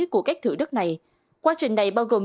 của các thủ đất này quá trình này bao gồm